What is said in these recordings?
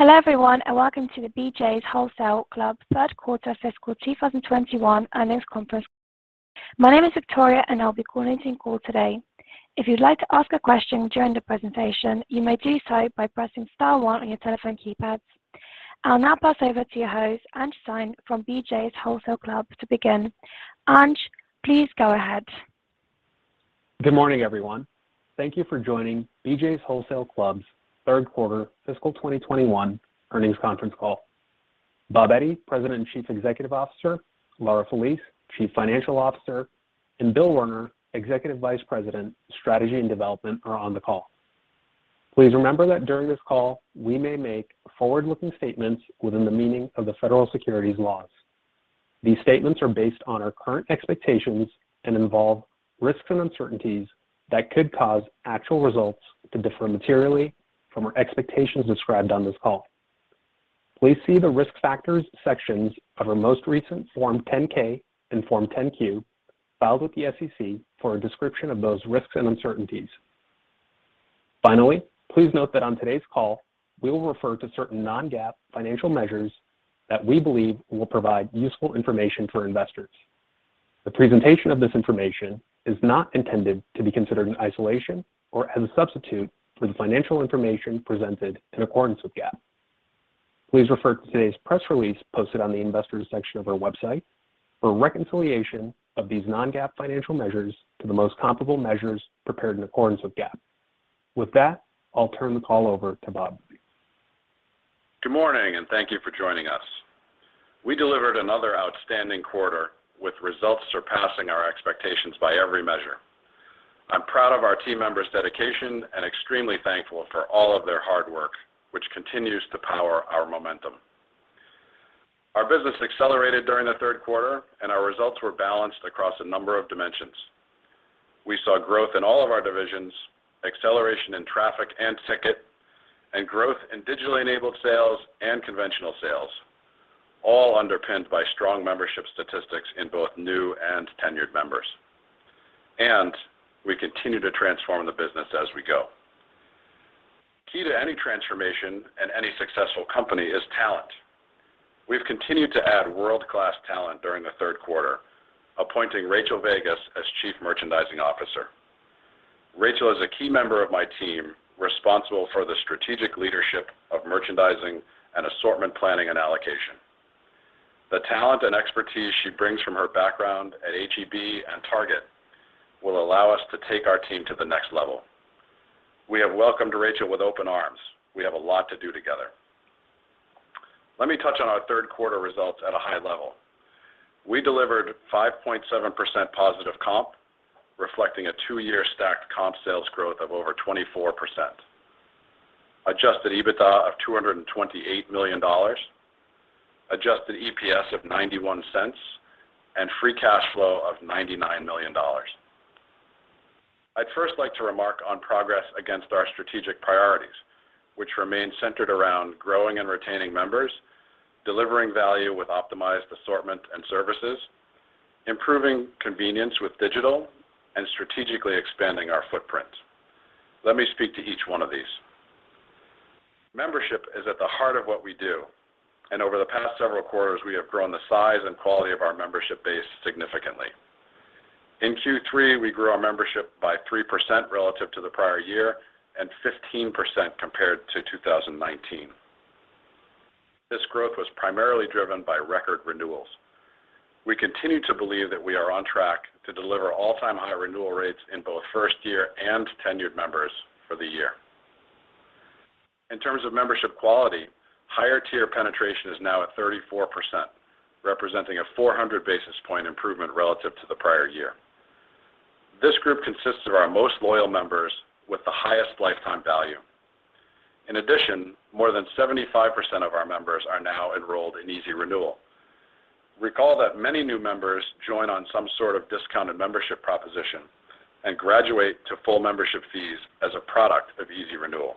Hello everyone, and welcome to the BJ's Wholesale Club Q3 fiscal 2021 earnings conference. My name is Victoria and I'll be coordinating the call today. If you'd like to ask a question during the presentation, you may do so by pressing star one on your telephone keypads. I'll now pass over to your host, from BJ's Wholesale Club to begin. please go ahead. Good morning, everyone. Thank you for joining BJ's Wholesale Club's Q3 fiscal 2021 earnings conference call. Bob Eddy, President and Chief Executive Officer, Laura Felice, Chief Financial Officer, and Bill Werner, Executive Vice President, Strategy and Development, are on the call. Please remember that during this call, we may make forward-looking statements within the meaning of the federal securities laws. These statements are based on our current expectations and involve risks and uncertainties that could cause actual results to differ materially from our expectations described on this call. Please see the Risk Factors sections of our most recent Form 10-K and Form 10-Q filed with the SEC for a description of those risks and uncertainties. Finally, please note that on today's call, we will refer to certain non-GAAP financial measures that we believe will provide useful information for investors. The presentation of this information is not intended to be considered in isolation or as a substitute for the financial information presented in accordance with GAAP. Please refer to today's press release posted on the investors section of our website for a reconciliation of these non-GAAP financial measures to the most comparable measures prepared in accordance with GAAP. With that, I'll turn the call over to Bob. Good morning, and thank you for joining us. We delivered another outstanding quarter with results surpassing our expectations by every measure. I'm proud of our team members' dedication and extremely thankful for all of their hard work, which continues to power our momentum. Our business accelerated during the Q3, and our results were balanced across a number of dimensions. We saw growth in all of our divisions, acceleration in traffic and ticket, and growth in digitally enabled sales and conventional sales, all underpinned by strong membership statistics in both new and tenured members. We continue to transform the business as we go. Key to any transformation and any successful company is talent. We've continued to add world-class talent during the Q3, appointing Rachael Vegas as Chief Merchandising Officer. Rachael is a key member of my team responsible for the strategic leadership of merchandising and assortment planning and allocation. The talent and expertise she brings from her background at H-E-B and Target will allow us to take our team to the next level. We have welcomed Rachael with open arms. We have a lot to do together. Let me touch on our Q3 results at a high level. We delivered 5.7% positive comp, reflecting a two-year stacked comp sales growth of over 24%. Adjusted EBITDA of $228 million, adjusted EPS of $0.91, and free cash flow of $99 million. I'd first like to remark on progress against our strategic priorities, which remain centered around growing and retaining members, delivering value with optimized assortment and services, improving convenience with digital, and strategically expanding our footprint. Let me speak to each one of these. Membership is at the heart of what we do, and over the past several quarters, we have grown the size and quality of our membership base significantly. In Q3, we grew our membership by 3% relative to the prior year and 15% compared to 2019. This growth was primarily driven by record renewals. We continue to believe that we are on track to deliver all-time high renewal rates in both first-year and tenured members for the year. In terms of membership quality, higher tier penetration is now at 34%, representing a 400 basis points improvement relative to the prior year. This group consists of our most loyal members with the highest lifetime value. In addition, more than 75% of our members are now enrolled in Easy Renewal. Recall that many new members join on some sort of discounted membership proposition and graduate to full membership fees as a product of Easy Renewal.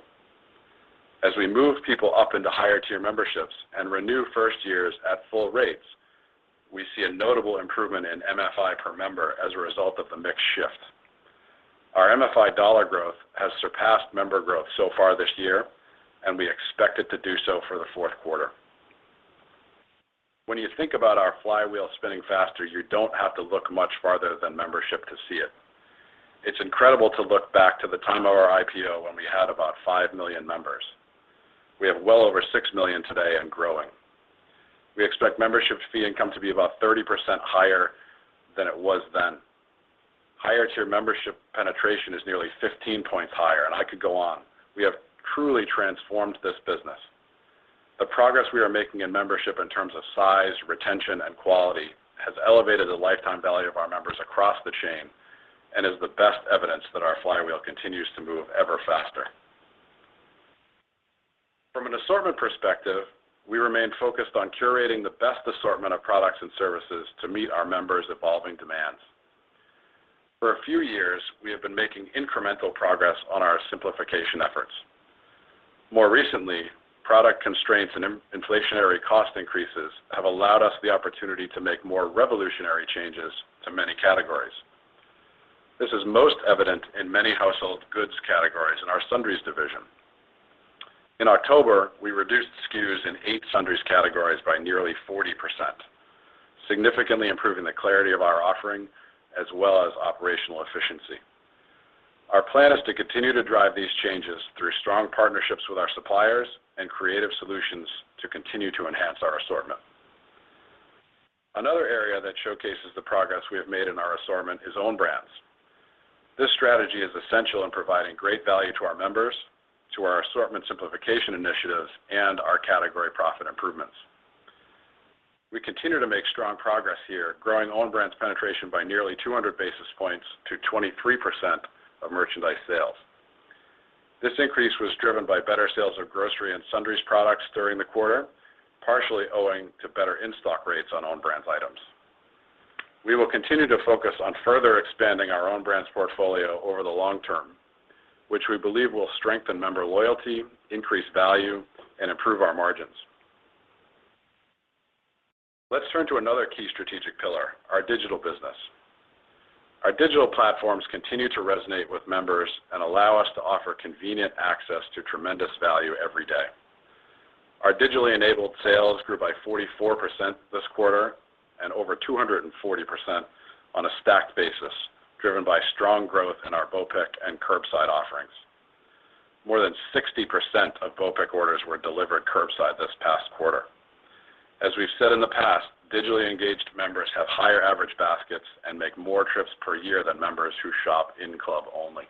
As we move people up into higher tier memberships and renew first years at full rates, we see a notable improvement in MFI per member as a result of the mix shift. Our MFI dollar growth has surpassed member growth so far this year, and we expect it to do so for the Q4. When you think about our flywheel spinning faster, you don't have to look much farther than membership to see it. It's incredible to look back to the time of our IPO when we had about 5 million members. We have well over 6 million today and growing. We expect membership fee income to be about 30% higher than it was then. Higher tier membership penetration is nearly 15 points higher, and I could go on. We have truly transformed this business. The progress we are making in membership in terms of size, retention, and quality has elevated the lifetime value of our members across the chain and is the best evidence that our flywheel continues to move ever faster. From an assortment perspective, we remain focused on curating the best assortment of products and services to meet our members' evolving demands. For a few years, we have been making incremental progress on our simplification efforts. More recently, product constraints and inflationary cost increases have allowed us the opportunity to make more revolutionary changes to many categories. This is most evident in many household goods categories in our sundries division. In October, we reduced SKUs in eight sundries categories by nearly 40%, significantly improving the clarity of our offering as well as operational efficiency. Our plan is to continue to drive these changes through strong partnerships with our suppliers and creative solutions to continue to enhance our assortment. Another area that showcases the progress we have made in our assortment is own brands. This strategy is essential in providing great value to our members, to our assortment simplification initiatives, and our category profit improvements. We continue to make strong progress here, growing own brands penetration by nearly 200 basis points to 23% of merchandise sales. This increase was driven by better sales of grocery and sundries products during the quarter, partially owing to better in-stock rates on own brands items. We will continue to focus on further expanding our own brands portfolio over the long term, which we believe will strengthen member loyalty, increase value, and improve our margins. Let's turn to another key strategic pillar, our digital business. Our digital platforms continue to resonate with members and allow us to offer convenient access to tremendous value every day. Our digitally enabled sales grew by 44% this quarter and over 240% on a stacked basis, driven by strong growth in our BOPIC and Curbside offerings. More than 60% of BOPIC orders were delivered curbside this past quarter. As we've said in the past, digitally engaged members have higher average baskets and make more trips per year than members who shop in club only.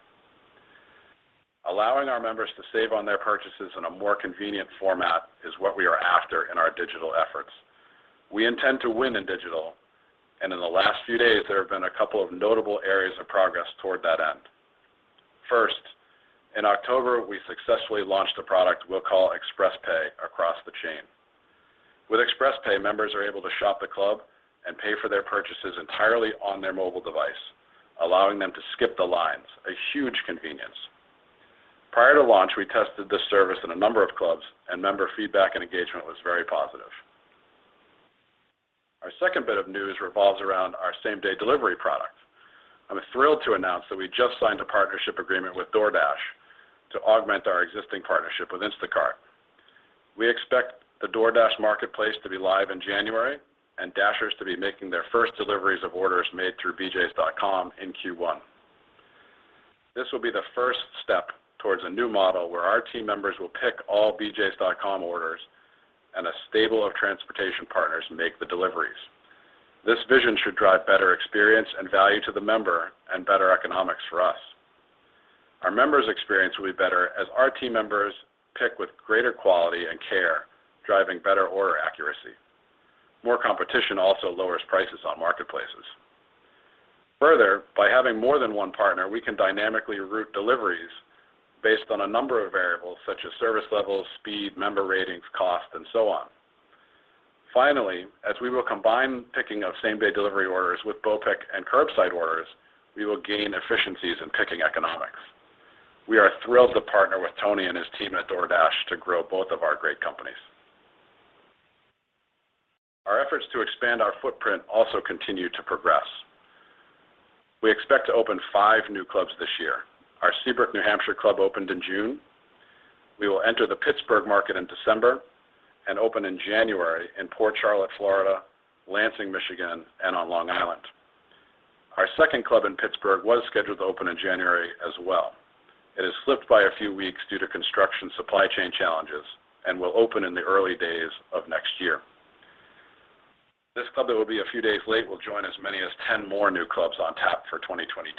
Allowing our members to save on their purchases in a more convenient format is what we are after in our digital efforts. We intend to win in digital, and in the last few days, there have been a couple of notable areas of progress toward that end. First, in October, we successfully launched a product we'll call ExpressPay across the chain. With ExpressPay, members are able to shop the club and pay for their purchases entirely on their mobile device, allowing them to skip the lines, a huge convenience. Prior to launch, we tested this service in a number of clubs, and member feedback and engagement was very positive. Our second bit of news revolves around our same-day delivery product. I'm thrilled to announce that we just signed a partnership agreement with DoorDash to augment our existing partnership with Instacart. We expect the DoorDash marketplace to be live in January and Dashers to be making their first deliveries of orders made through BJs.com in Q1. This will be the first step towards a new model where our team members will pick all BJs.com orders and a stable of transportation partners make the deliveries. This vision should drive better experience and value to the member and better economics for us. Our members' experience will be better as our team members pick with greater quality and care, driving better order accuracy. More competition also lowers prices on marketplaces. Further, by having more than one partner, we can dynamically route deliveries based on a number of variables such as service levels, speed, member ratings, cost, and so on. Finally, as we will combine picking of same-day delivery orders with BOPIC and curbside orders, we will gain efficiencies in picking economics. We are thrilled to partner with Tony and his team at DoorDash to grow both of our great companies. Our efforts to expand our footprint also continue to progress. We expect to open five new clubs this year. Our Seabrook, New Hampshire club opened in June. We will enter the Pittsburgh market in December and open in January in Port Charlotte, Florida, Lansing, Michigan, and on Long Island. Our second club in Pittsburgh was scheduled to open in January as well. It has slipped by a few weeks due to construction supply chain challenges and will open in the early days of next year. This club that will be a few days late will join as many as 10 more new clubs on tap for 2022.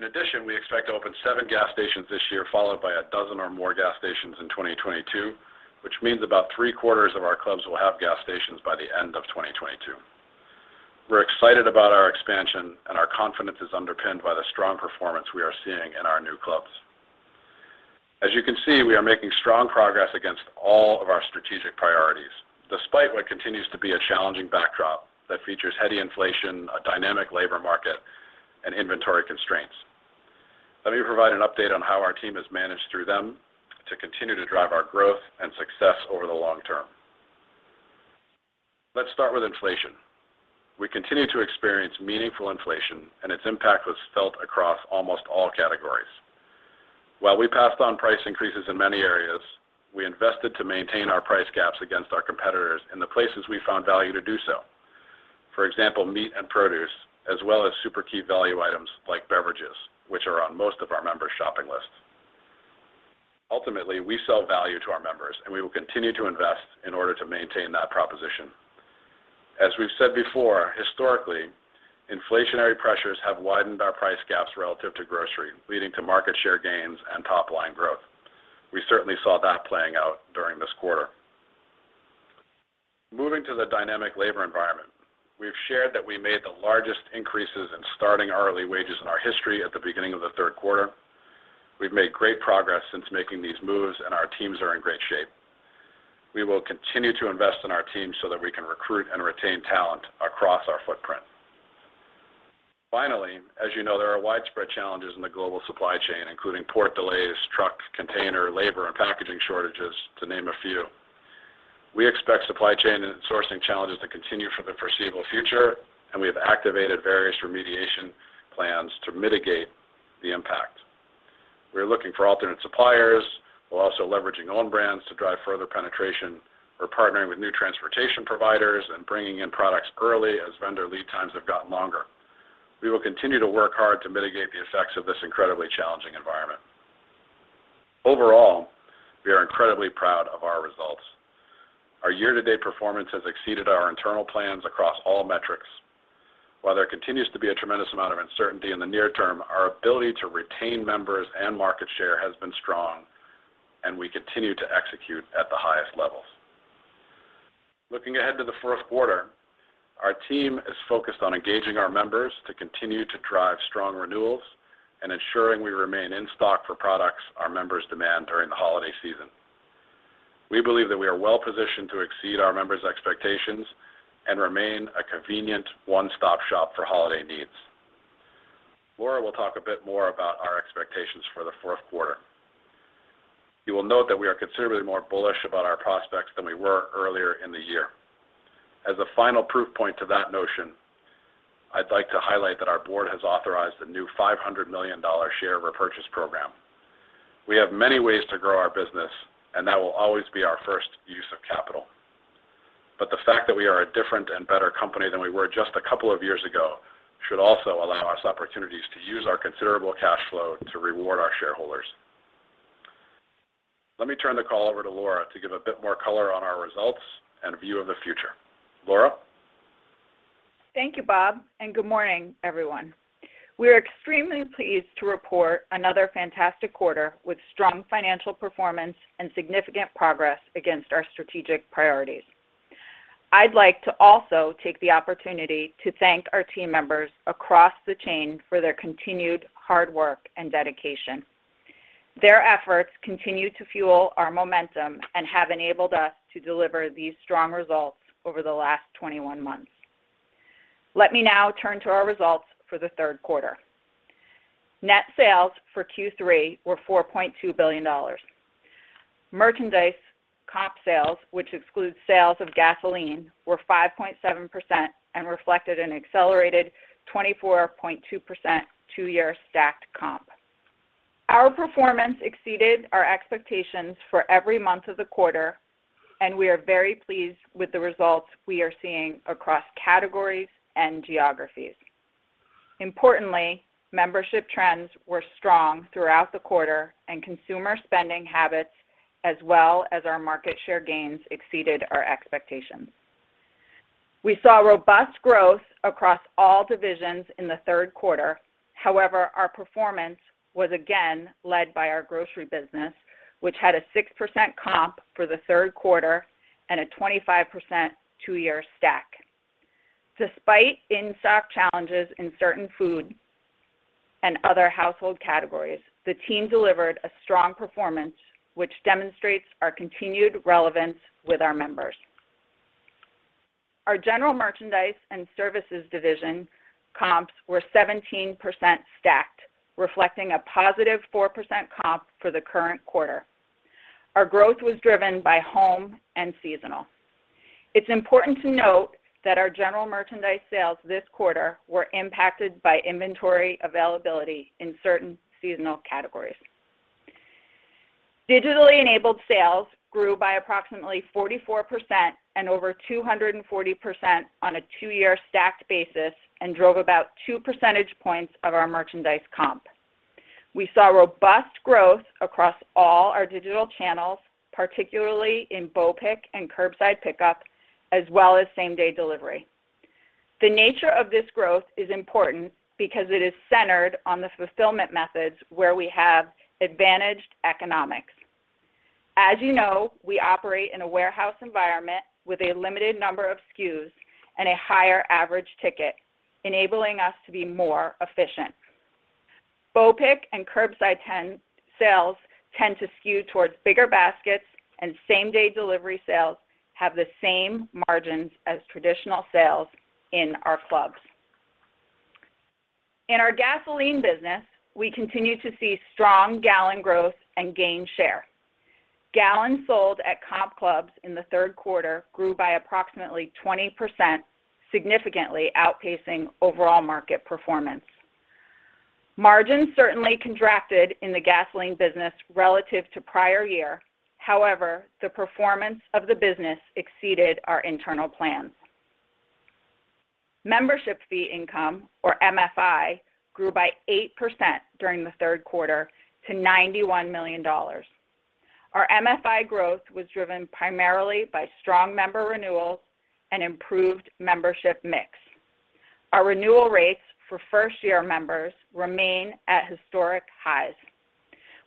In addition, we expect to open seven gas stations this year, followed by a dozen or more gas stations in 2022, which means about three-quarters of our clubs will have gas stations by the end of 2022. We're excited about our expansion, and our confidence is underpinned by the strong performance we are seeing in our new clubs. As you can see, we are making strong progress against all of our strategic priorities, despite what continues to be a challenging backdrop that features heady inflation, a dynamic labor market, and inventory constraints. Let me provide an update on how our team has managed through them to continue to drive our growth and success over the long term. Let's start with inflation. We continue to experience meaningful inflation, and its impact was felt across almost all categories. While we passed on price increases in many areas, we invested to maintain our price gaps against our competitors in the places we found value to do so. For example, meat and produce, as well as super key value items like beverages, which are on most of our members' shopping lists. Ultimately, we sell value to our members, and we will continue to invest in order to maintain that proposition. As we've said before, historically, inflationary pressures have widened our price gaps relative to grocery, leading to market share gains and top-line growth. We certainly saw that playing out during this quarter. Moving to the dynamic labor environment, we've shared that we made the largest increases in starting hourly wages in our history at the beginning of the Q3. We've made great progress since making these moves, and our teams are in great shape. We will continue to invest in our team so that we can recruit and retain talent across our footprint. Finally, as you know, there are widespread challenges in the global supply chain, including port delays, truck, container, labor, and packaging shortages, to name a few. We expect supply chain and sourcing challenges to continue for the foreseeable future, and we have activated various remediation plans to mitigate the impact. We're looking for alternate suppliers while also leveraging own brands to drive further penetration. We're partnering with new transportation providers and bringing in products early as vendor lead times have gotten longer. We will continue to work hard to mitigate the effects of this incredibly challenging environment. Overall, we are incredibly proud of our results. Our year-to-date performance has exceeded our internal plans across all metrics. While there continues to be a tremendous amount of uncertainty in the near term, our ability to retain members and market share has been strong, and we continue to execute at the highest levels. Looking ahead to the Q4, our team is focused on engaging our members to continue to drive strong renewals and ensuring we remain in stock for products our members demand during the holiday season. We believe that we are well-positioned to exceed our members' expectations and remain a convenient one-stop-shop for holiday needs. Laura will talk a bit more about our expectations for the Q4. You will note that we are considerably more bullish about our prospects than we were earlier in the year. As a final proof point to that notion, I'd like to highlight that our board has authorized a new $500 million share repurchase program. We have many ways to grow our business, and that will always be our first use of capital. The fact that we are a different and better company than we were just a couple of years ago should also allow us opportunities to use our considerable cash flow to reward our shareholders. Let me turn the call over to Laura to give a bit more color on our results and view of the future. Laura? Thank you, Bob, and good morning, everyone. We are extremely pleased to report another fantastic quarter with strong financial performance and significant progress against our strategic priorities. I'd like to also take the opportunity to thank our team members across the chain for their continued hard work and dedication. Their efforts continue to fuel our momentum and have enabled us to deliver these strong results over the last 21 months. Let me now turn to our results for the Q3. Net sales for Q3 were $4.2 billion. Merchandise comp sales, which excludes sales of gasoline, were 5.7% and reflected an accelerated 24.2% two-year stacked comp. Our performance exceeded our expectations for every month of the quarter, and we are very pleased with the results we are seeing across categories and geographies. Importantly, membership trends were strong throughout the quarter, and consumer spending habits, as well as our market share gains, exceeded our expectations. We saw robust growth across all divisions in the Q3. However, our performance was again led by our grocery business, which had a 6% comp for the Q3 and a 25% two-year stack. Despite in-stock challenges in certain food and other household categories, the team delivered a strong performance, which demonstrates our continued relevance with our members. Our general merchandise and services division comps were 17% stacked, reflecting a positive 4% comp for the current quarter. Our growth was driven by home and seasonal. It's important to note that our general merchandise sales this quarter were impacted by inventory availability in certain seasonal categories. Digitally enabled sales grew by approximately 44% and over 240% on a two-year stacked basis and drove about two percentage points of our merchandise comp. We saw robust growth across all our digital channels, particularly in BOPIC and curbside pickup, as well as same-day delivery. The nature of this growth is important because it is centered on the fulfillment methods where we have advantaged economics. As you know, we operate in a warehouse environment with a limited number of SKUs and a higher average ticket, enabling us to be more efficient. BOPIC and curbside sales tend to skew towards bigger baskets and same-day delivery sales have the same margins as traditional sales in our clubs. In our gasoline business, we continue to see strong gallon growth and gain share. Gallons sold at comp clubs in the Q3 grew by approximately 20%, significantly outpacing overall market performance. Margins certainly contracted in the gasoline business relative to prior year. However, the performance of the business exceeded our internal plans. Membership fee income, or MFI, grew by 8% during the Q3 to $91 million. Our MFI growth was driven primarily by strong member renewals and improved membership mix. Our renewal rates for first-year members remain at historic highs.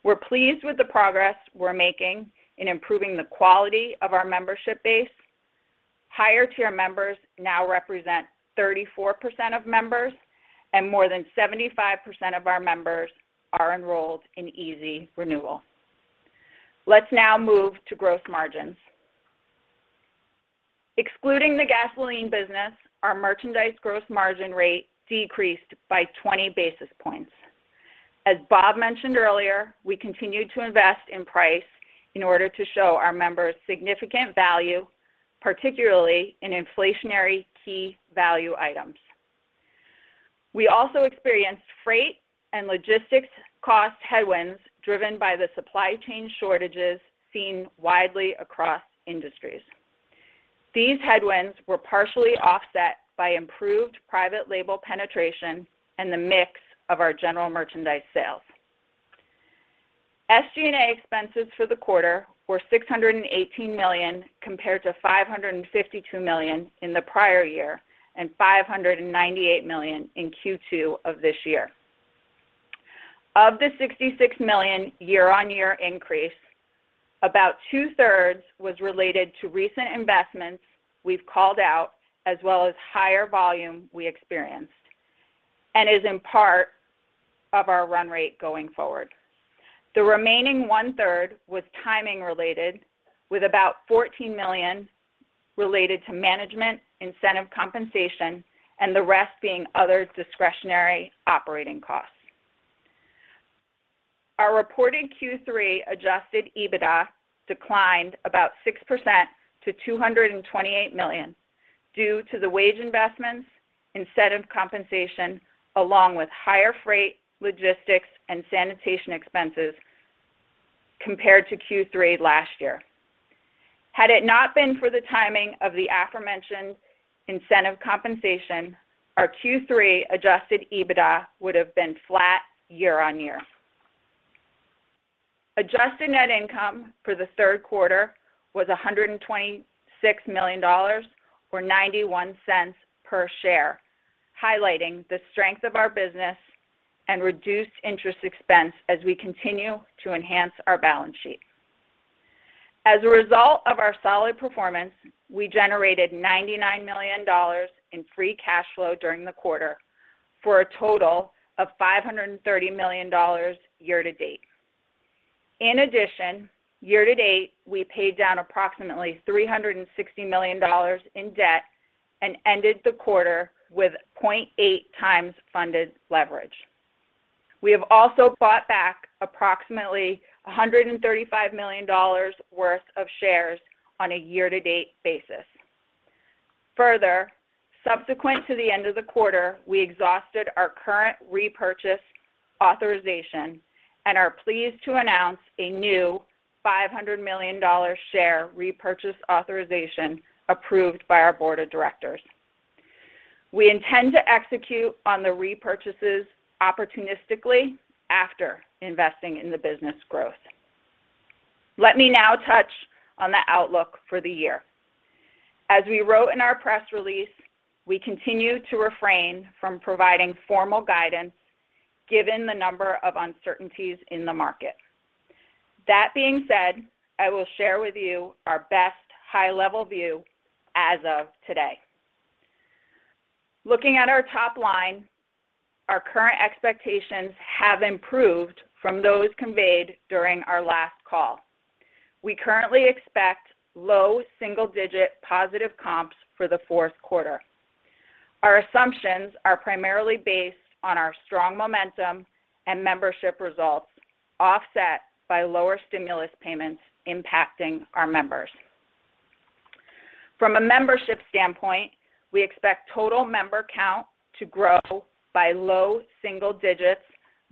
We're pleased with the progress we're making in improving the quality of our membership base. Higher-tier members now represent 34% of members, and more than 75% of our members are enrolled in Easy Renewal. Let's now move to gross margins. Excluding the gasoline business, our merchandise gross margin rate decreased by 20 basis points. As Bob mentioned earlier, we continued to invest in price in order to show our members significant value, particularly in inflationary key value items. We also experienced freight and logistics cost headwinds driven by the supply chain shortages seen widely across industries. These headwinds were partially offset by improved private label penetration and the mix of our general merchandise sales. SG&A expenses for the quarter were $618 million compared to $552 million in the prior year and $598 million in Q2 of this year. Of the $66 million year-on-year increase, about two-thirds was related to recent investments we've called out as well as higher volume we experienced and is in part of our run rate going forward. The remaining one-third was timing related with about $14 million related to management, incentive compensation, and the rest being other discretionary operating costs. Our reported Q3 adjusted EBITDA declined about 6% to $228 million due to the wage investments, incentive compensation, along with higher freight, logistics, and sanitation expenses compared to Q3 last year. Had it not been for the timing of the aforementioned incentive compensation, our Q3 adjusted EBITDA would have been flat year-over-year. Adjusted net income for the Q3 was $126 million or $0.91 per share, highlighting the strength of our business and reduced interest expense as we continue to enhance our balance sheet. As a result of our solid performance, we generated $99 million in free cash flow during the quarter for a total of $530 million year-to-date. In addition, year-to-date, we paid down approximately $360 million in debt and ended the quarter with 0.8 times funded leverage. We have also bought back approximately $135 million worth of shares on a year-to-date basis. Further, subsequent to the end of the quarter, we exhausted our current repurchase authorization and are pleased to announce a new $500 million share repurchase authorization approved by our board of directors. We intend to execute on the repurchases opportunistically after investing in the business growth. Let me now touch on the outlook for the year. As we wrote in our press release, we continue to refrain from providing formal guidance given the number of uncertainties in the market. That being said, I will share with you our best high-level view as of today. Looking at our top line, our current expectations have improved from those conveyed during our last call. We currently expect low single-digit positive comps for the Q4. Our assumptions are primarily based on our strong momentum and membership results offset by lower stimulus payments impacting our members. From a membership standpoint, we expect total member count to grow by low single digits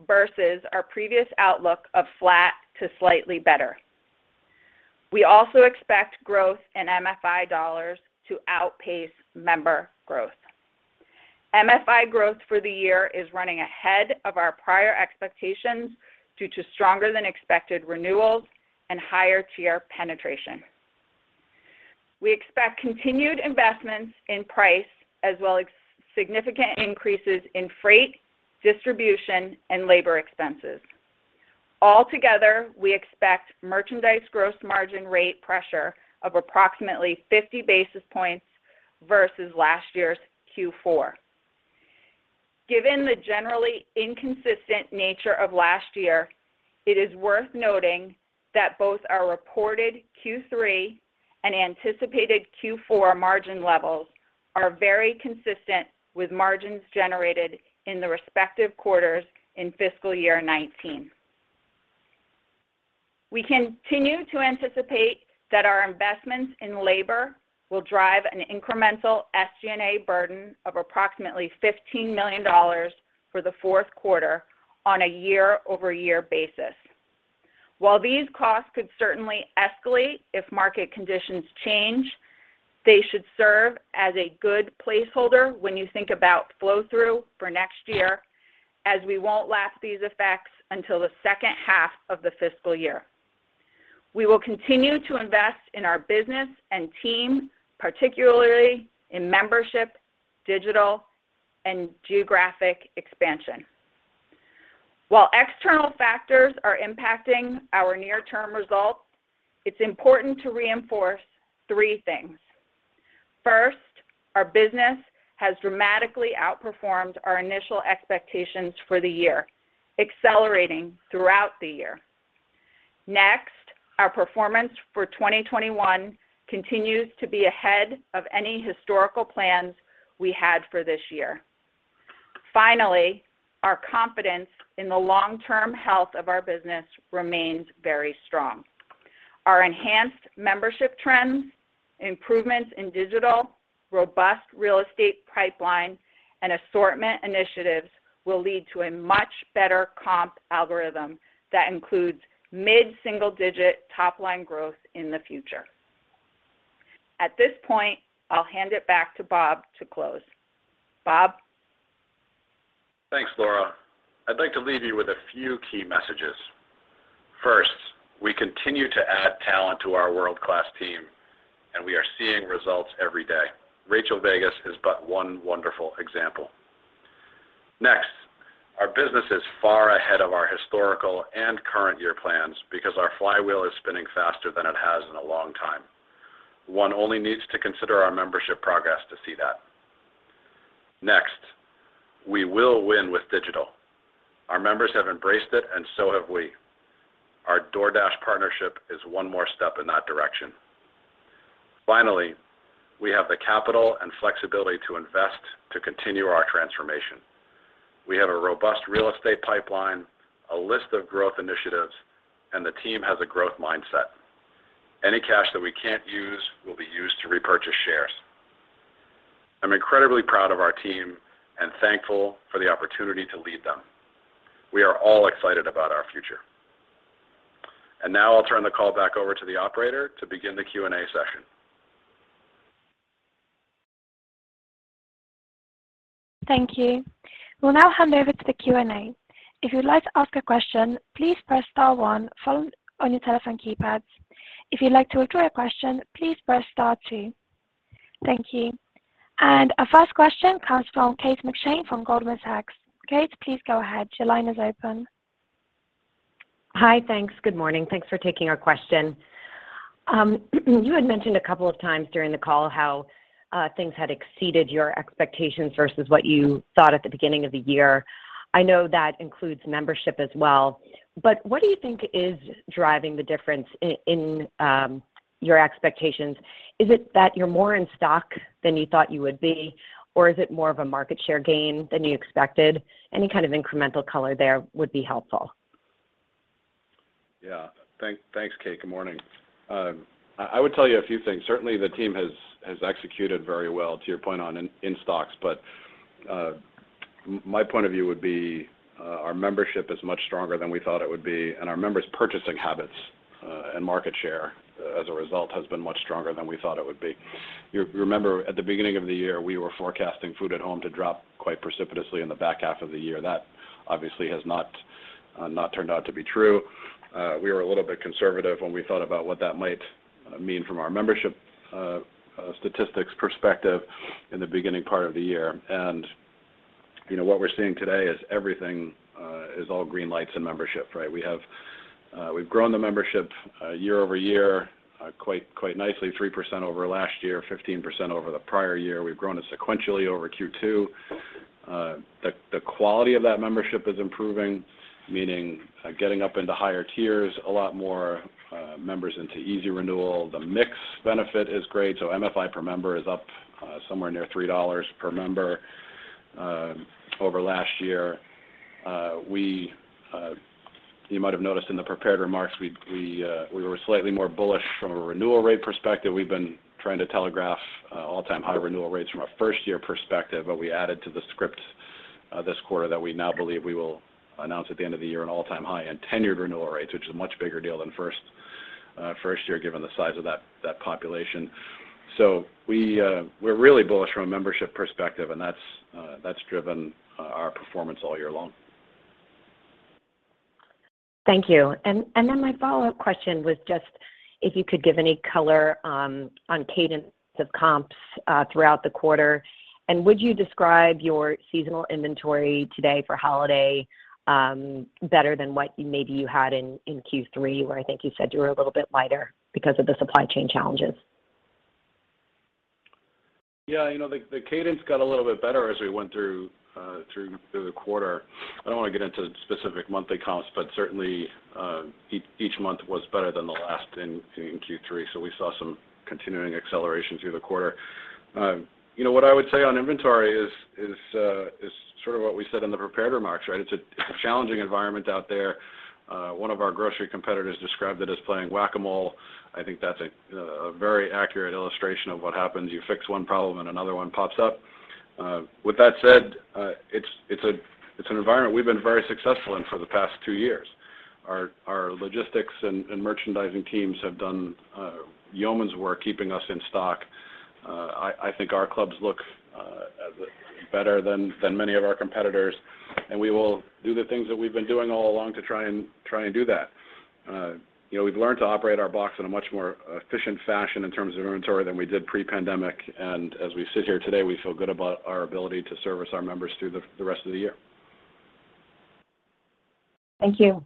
versus our previous outlook of flat to slightly better. We also expect growth in MFI dollars to outpace member growth. MFI growth for the year is running ahead of our prior expectations due to stronger than expected renewals and higher tier penetration. We expect continued investments in price as well as significant increases in freight, distribution, and labor expenses. Altogether, we expect merchandise gross margin rate pressure of approximately 50 basis points versus last year's Q4. Given the generally inconsistent nature of last year, it is worth noting that both our reported Q3 and anticipated Q4 margin levels are very consistent with margins generated in the respective quarters in fiscal year 2019. We continue to anticipate that our investments in labor will drive an incremental SG&A burden of approximately $15 million for the Q4 on a year-over-year basis. While these costs could certainly escalate if market conditions change, they should serve as a good placeholder when you think about flow-through for next year, as we won't last these effects until the H2 of the fiscal year. We will continue to invest in our business and team, particularly in membership, digital, and geographic expansion. While external factors are impacting our near-term results, it's important to reinforce three things. First, our business has dramatically outperformed our initial expectations for the year, accelerating throughout the year. Next, our performance for 2021 continues to be ahead of any historical plans we had for this year. Finally, our confidence in the long-term health of our business remains very strong. Our enhanced membership trends, improvements in digital, robust real estate pipeline and assortment initiatives will lead to a much better comp algorithm that includes mid-single-digit top line growth in the future. At this point, I'll hand it back to Bob to close. Bob. Thanks, Laura. I'd like to leave you with a few key messages. First, we continue to add talent to our world-class team, and we are seeing results every day. Rachael Vegas is but one wonderful example. Next, our business is far ahead of our historical and current year plans because our flywheel is spinning faster than it has in a long time. One only needs to consider our membership progress to see that. Next, we will win with digital. Our members have embraced it and so have we. Our DoorDash partnership is one more step in that direction. Finally, we have the capital and flexibility to invest to continue our transformation. We have a robust real estate pipeline, a list of growth initiatives, and the team has a growth mindset. Any cash that we can't use will be used to repurchase shares. I'm incredibly proud of our team and thankful for the opportunity to lead them. We are all excited about our future. Now I'll turn the call back over to the operator to begin the Q&A session. Thank you. We'll now hand over to the Q&A. If you'd like to ask a question, please press star one on your telephone keypads. If you'd like to withdraw your question, please press star two. Thank you. Our first question comes from Kate McShane from Goldman Sachs. Kate, please go ahead. Your line is open. Hi. Thanks. Good morning. Thanks for taking our question. You had mentioned a couple of times during the call how things had exceeded your expectations versus what you thought at the beginning of the year. I know that includes membership as well, but what do you think is driving the difference in your expectations? Is it that you're more in stock than you thought you would be, or is it more of a market share gain than you expected? Any kind of incremental color there would be helpful. Yeah. Thanks, Kate. Good morning. I would tell you a few things. Certainly, the team has executed very well to your point on in-stocks. My point of view would be our membership is much stronger than we thought it would be, and our members' purchasing habits and market share as a result has been much stronger than we thought it would be. You remember at the beginning of the year, we were forecasting food at home to drop quite precipitously in the back half of the year. That obviously has not turned out to be true. We were a little bit conservative when we thought about what that might mean from our membership statistics perspective in the beginning part of the year. You know, what we're seeing today is everything is all green lights in membership, right? We've grown the membership year-over-year quite nicely, 3% over last year, 15% over the prior year. We've grown it sequentially over Q2. The quality of that membership is improving, meaning getting up into higher tiers, a lot more members into Easy Renewal. The mix benefit is great, so MFI per member is up somewhere near $3 per member over last year. You might have noticed in the prepared remarks, we were slightly more bullish from a renewal rate perspective. We've been trying to telegraph all-time high renewal rates from a first year perspective, but we added to the script this quarter that we now believe we will announce at the end of the year an all-time high in tenured renewal rates, which is a much bigger deal than first year given the size of that population. We're really bullish from a membership perspective, and that's driven our performance all year long. Thank you. Then my follow-up question was just if you could give any color on cadence of comps throughout the quarter. Would you describe your seasonal inventory today for holiday better than what maybe you had in Q3, where I think you said you were a little bit lighter because of the supply chain challenges? Yeah. You know, the cadence got a little bit better as we went through the quarter. I don't want to get into specific monthly comps, but certainly each month was better than the last in Q3, so we saw some continuing acceleration through the quarter. You know, what I would say on inventory is sort of what we said in the prepared remarks, right? It's a challenging environment out there. One of our grocery competitors described it as playing Whac-A-Mole. I think that's a very accurate illustration of what happens. You fix one problem and another one pops up. With that said, it's an environment we've been very successful in for the past two years. Our logistics and merchandising teams have done yeoman's work keeping us in stock. I think our clubs look better than many of our competitors, and we will do the things that we've been doing all along to try and do that. You know, we've learned to operate our box in a much more efficient fashion in terms of inventory than we did pre-pandemic. We feel good about our ability to service our members through the rest of the year. Thank you.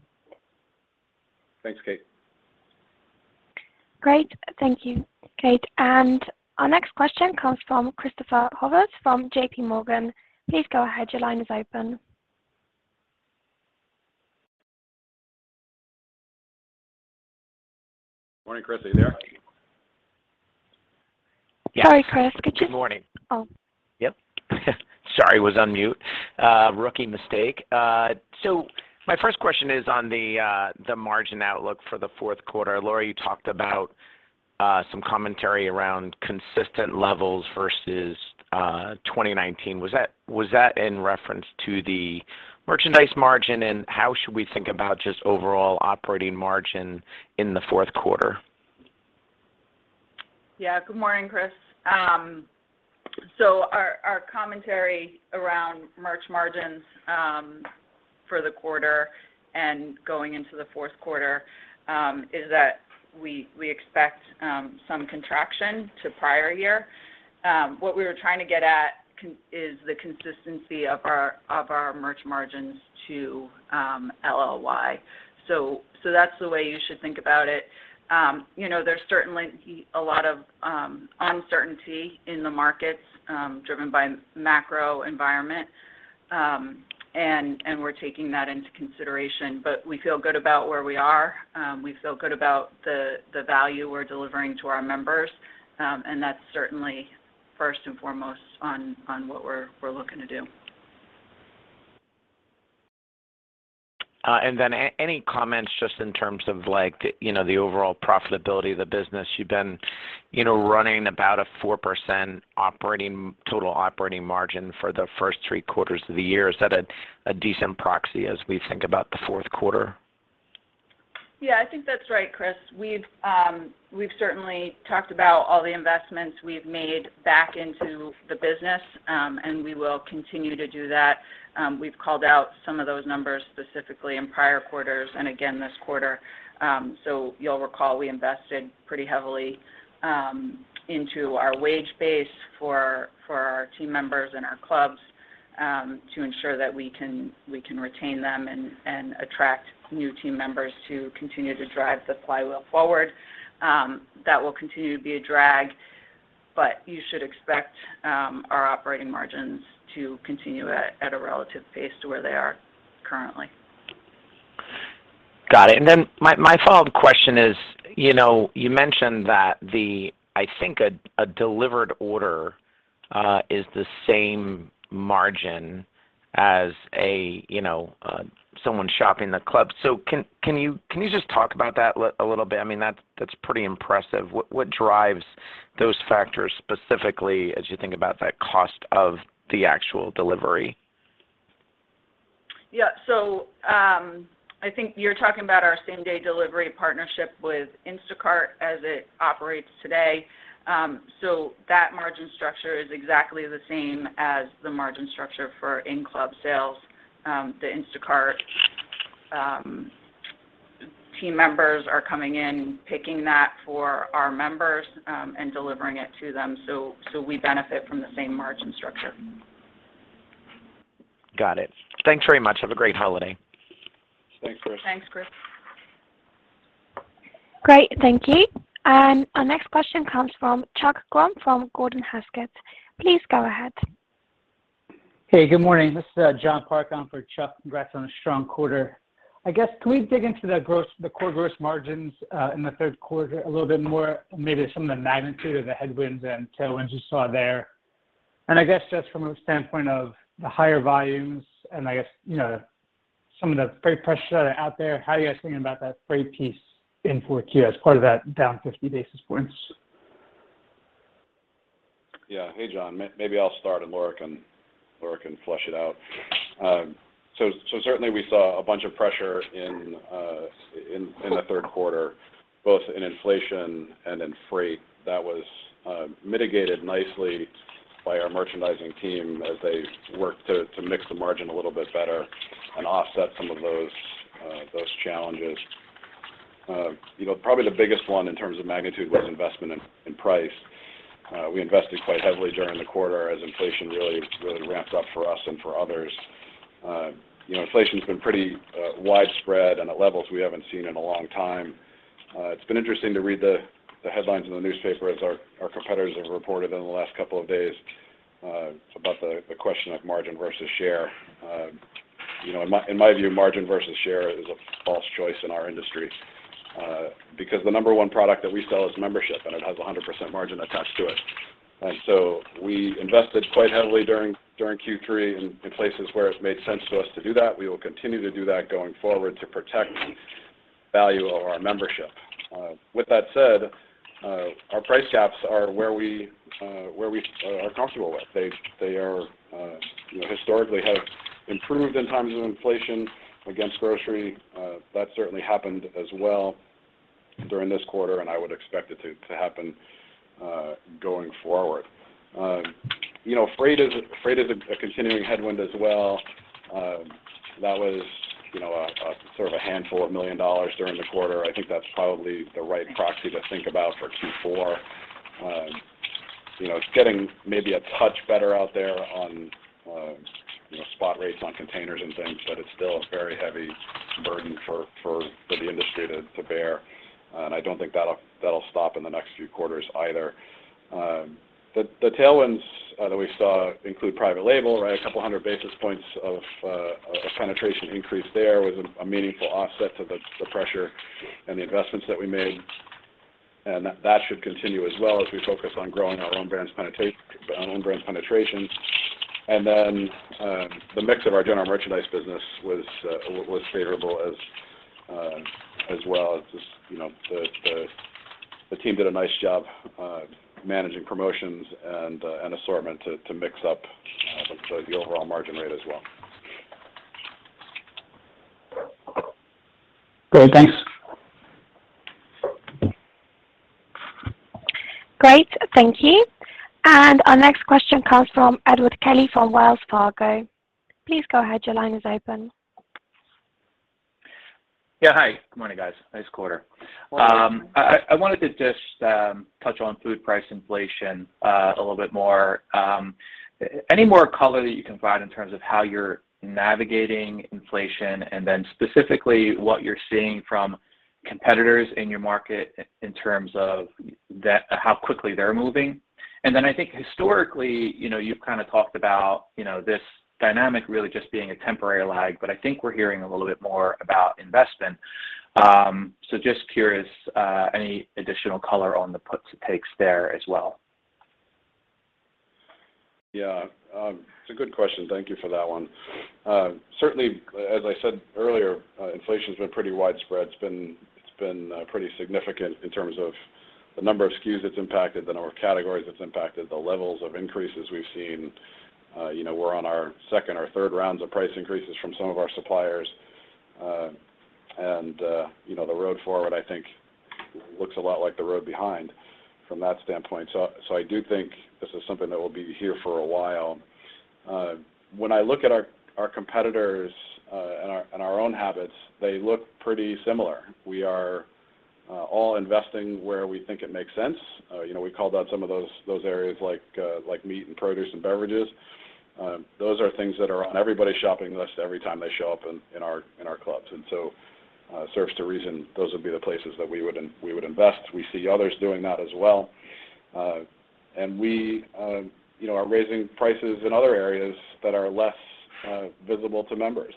Thanks, Kate. Great. Thank you, Kate. Our next question comes from Christopher Horvers from J.P. Morgan. Please go ahead. Your line is open. Morning, Chris. Are you there? Sorry, Chris. Good morning. Oh. Yep. Sorry, was on mute. Rookie mistake. So my first question is on the margin outlook for the Q4. Laurie, you talked about some commentary around consistent levels versus 2019. Was that in reference to the merchandise margin, and how should we think about just overall operating margin in the Q4? Yeah. Good morning, Chris. Our commentary around merch margins for the quarter and going into the Q4 is that we expect some contraction to prior year. What we were trying to get at is the consistency of our merch margins to LLY. That's the way you should think about it. You know, there's certainly a lot of uncertainty in the markets driven by macro environment, and we're taking that into consideration. We feel good about where we are. We feel good about the value we're delivering to our members, and that's certainly first and foremost on what we're looking to do. Any comments just in terms of like the, you know, the overall profitability of the business. You've been, you know, running about a 4% total operating margin for the first three quarters of the year. Is that a decent proxy as we think about the Q4? Yeah, I think that's right, Chris. We've certainly talked about all the investments we've made back into the business, and we will continue to do that. We've called out some of those numbers specifically in prior quarters and again this quarter. You'll recall we invested pretty heavily into our wage base for our team members and our clubs to ensure that we can retain them and attract new team members to continue to drive the flywheel forward. That will continue to be a drag, but you should expect our operating margins to continue at a relative pace to where they are currently. Got it. My follow-up question is, you know, you mentioned that I think a delivered order is the same margin as a, you know, someone shopping the club. Can you just talk about that a little bit? I mean, that's pretty impressive. What drives those factors specifically as you think about that cost of the actual delivery? Yeah. I think you're talking about our same-day delivery partnership with Instacart as it operates today. That margin structure is exactly the same as the margin structure for in-club sales. The Instacart team members are coming in, picking that for our members, and delivering it to them. We benefit from the same margin structure. Got it. Thanks very much. Have a great holiday. Thanks, Chris. Thanks, Chris. Great. Thank you. Our next question comes from Chuck Grom from Gordon Haskett. Please go ahead. Hey, good morning. This is John Park on for Chuck. Congrats on a strong quarter. I guess, can we dig into the core gross margins in the Q3 a little bit more? Maybe some of the magnitude of the headwinds and tailwinds you saw there. I guess just from a standpoint of the higher volumes and I guess, you know, some of the freight pressure out there, how are you guys thinking about that freight piece in Q4 as part of that down 50 basis points? Yeah. Hey, John. Maybe I'll start, and Laura can flesh it out. Certainly we saw a bunch of pressure in the Q3, both in inflation and in freight. That was mitigated nicely by our merchandising team as they worked to mix the margin a little bit better and offset some of those challenges. You know, probably the biggest one in terms of magnitude was investment in price. We invested quite heavily during the quarter as inflation really ramped up for us and for others. You know, inflation's been pretty widespread and at levels we haven't seen in a long time. It's been interesting to read the headlines in the newspaper as our competitors have reported in the last couple of days about the question of margin versus share. You know, in my view, margin versus share is a false choice in our industry because the number one product that we sell is membership, and it has 100% margin attached to it. We invested quite heavily during Q3 in places where it's made sense to us to do that. We will continue to do that going forward to protect the value of our membership. With that said, our price caps are where we are comfortable with. They are, you know, historically have improved in times of inflation against grocery. That certainly happened as well during this quarter, and I would expect it to happen going forward. You know, freight is a continuing headwind as well. That was a sort of a handful of million dollars during the quarter. I think that's probably the right proxy to think about for Q4. You know, it's getting maybe a touch better out there on spot rates on containers and things, but it's still a very heavy burden for the industry to bear. I don't think that'll stop in the next few quarters either. The tailwinds that we saw include private label, right? 200 basis points of a penetration increase there was a meaningful offset to the pressure and the investments that we made. That should continue as well as we focus on growing our own brand penetration. Then the mix of our general merchandise business was favorable as well. Just, you know, the team did a nice job managing promotions and assortment to mix up the overall margin rate as well. Great. Thanks. Great. Thank you. Our next question comes from Edward Kelly from Wells Fargo. Please go ahead. Your line is open. Yeah, hi. Good morning, guys. Nice quarter. I wanted to just touch on food price inflation a little bit more. Any more color that you can provide in terms of how you're navigating inflation, and then specifically what you're seeing from competitors in your market in terms of that, how quickly they're moving. I think historically, you know, you've kind of talked about, you know, this dynamic really just being a temporary lag, but I think we're hearing a little bit more about investment. Just curious, any additional color on the puts and takes there as well. Yeah. It's a good question. Thank you for that one. Certainly, as I said earlier, inflation's been pretty widespread. It's been pretty significant in terms of the number of SKUs it's impacted, the number of categories it's impacted, the levels of increases we've seen. You know, we're on our second or third rounds of price increases from some of our suppliers. You know, the road forward, I think, looks a lot like the road behind from that standpoint. I do think this is something that will be here for a while. When I look at our competitors and our own habits, they look pretty similar. We are all investing where we think it makes sense. You know, we called out some of those areas like meat and produce and beverages. Those are things that are on everybody's shopping list every time they show up in our clubs. Serves to reason those would be the places that we would invest. We see others doing that as well. You know, we are raising prices in other areas that are less visible to members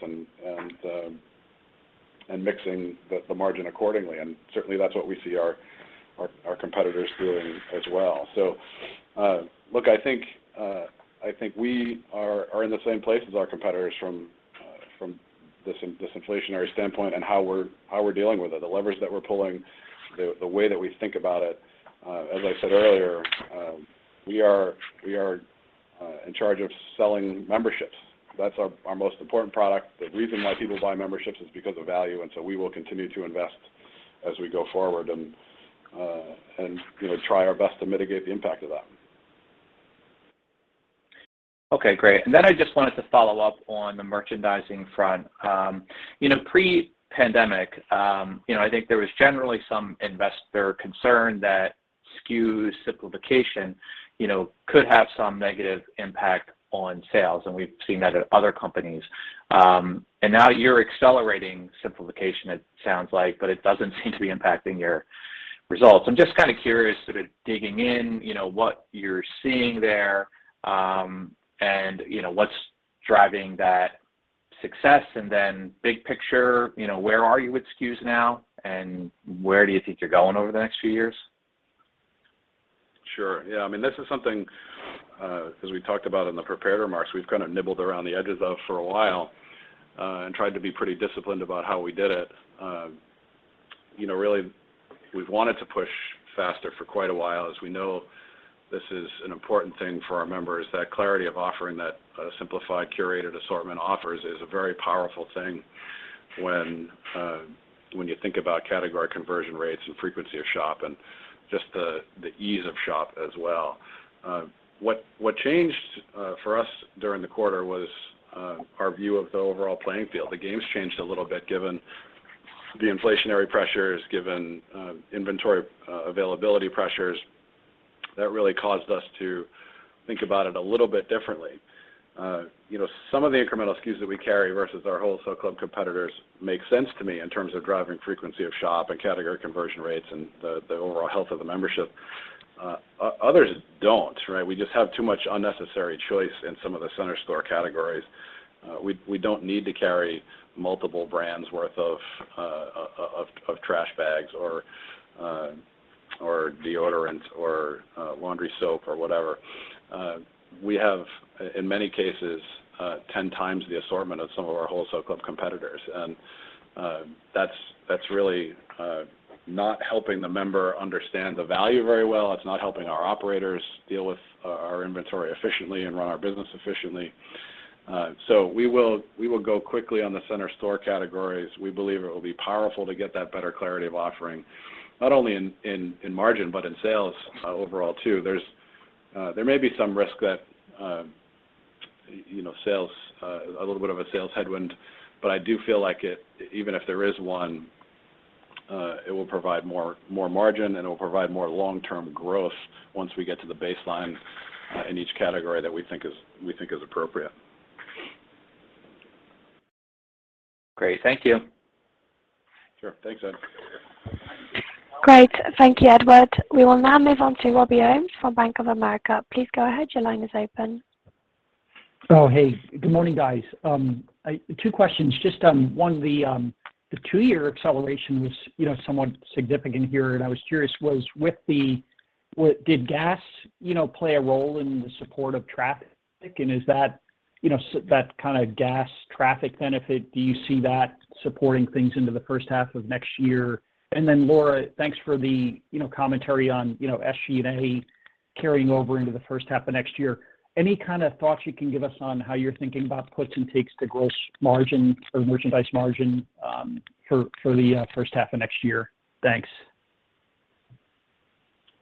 and mixing the margin accordingly. Certainly that's what we see our competitors doing as well. Look, I think we are in the same place as our competitors from this inflationary standpoint and how we're dealing with it, the levers that we're pulling, the way that we think about it. As I said earlier, we are in charge of selling memberships. That's our most important product. The reason why people buy memberships is because of value, and so we will continue to invest as we go forward and, you know, try our best to mitigate the impact of that. Okay, great. I just wanted to follow up on the merchandising front. You know, pre-pandemic, you know, I think there was generally some investor concern that SKU simplification, you know, could have some negative impact on sales, and we've seen that at other companies. Now you're accelerating simplification, it sounds like, but it doesn't seem to be impacting your results. I'm just kind of curious, sort of digging in, you know, what you're seeing there, and, you know, what's driving that success. Big picture, you know, where are you with SKUs now, and where do you think you're going over the next few years? Sure. Yeah. I mean, this is something, as we talked about in the prepared remarks, we've kind of nibbled around the edges of for a while, and tried to be pretty disciplined about how we did it. You know, really, we've wanted to push faster for quite a while. As we know, this is an important thing for our members. That clarity of offering that a simplified, curated assortment offers is a very powerful thing when you think about category conversion rates and frequency of shop and just the ease of shop as well. What changed for us during the quarter was our view of the overall playing field. The game's changed a little bit given the inflationary pressures, given inventory availability pressures. That really caused us to think about it a little bit differently. You know, some of the incremental SKUs that we carry versus our wholesale club competitors make sense to me in terms of driving frequency of shop and category conversion rates and the overall health of the membership. Others don't, right? We just have too much unnecessary choice in some of the center store categories. We don't need to carry multiple brands worth of of trash bags or deodorant or laundry soap or whatever. We have in many cases ten times the assortment of some of our wholesale club competitors. That's really not helping the member understand the value very well. It's not helping our operators deal with our inventory efficiently and run our business efficiently. We will go quickly on the center store categories. We believe it will be powerful to get that better clarity of offering, not only in margin, but in sales, overall too. There may be some risk that, you know, sales, a little bit of a sales headwind, but I do feel like it, even if there is one, it will provide more margin, and it will provide more long-term growth once we get to the baseline, in each category that we think is appropriate. Great. Thank you. Sure. Thanks, Ed. Great. Thank you, Edward. We will now move on to Rob Ohmes from Bank of America. Please go ahead. Your line is open. Oh, hey. Good morning, guys. Two questions. Just one, the two-year acceleration was, you know, somewhat significant here, and I was curious, did gas, you know, play a role in the support of traffic? And is that, you know, that kinda gas traffic benefit, do you see that supporting things into the H1 of next year? And then Laura, thanks for the, you know, commentary on, you know, SG&A carrying over into the H1 of next year. Any kinda thoughts you can give us on how you're thinking about puts and takes to gross margin or merchandise margin for the H1 of next year? Thanks.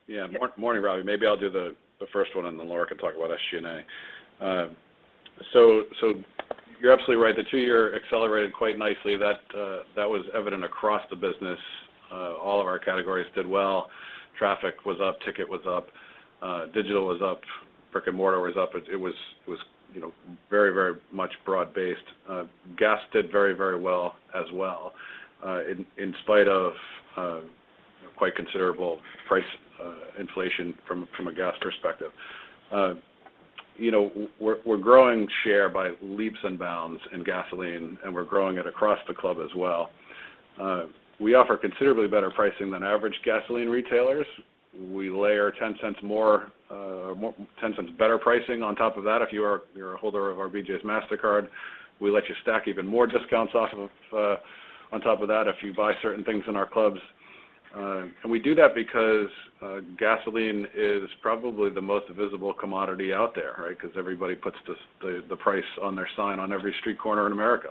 Yeah. Morning, Robbie. Maybe I'll do the first one, and then Laura can talk about SG&A. So you're absolutely right, the two-year accelerated quite nicely. That was evident across the business. All of our categories did well. Traffic was up, ticket was up, digital was up, brick-and-mortar was up. It was, you know, very much broad-based. Gas did very well as well, in spite of quite considerable price inflation from a gas perspective. You know, we're growing share by leaps and bounds in gasoline, and we're growing it across the club as well. We offer considerably better pricing than average gasoline retailers. We layer $0.10 better pricing on top of that. If you are, you're a holder of our BJ's One Mastercard, we let you stack even more discounts off of, on top of that if you buy certain things in our clubs. We dob that because gasoline is probably the most visible commodity out there, right? Because everybody puts the price on their sign on every street corner in America.